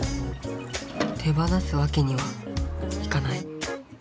手放すわけにはいかない。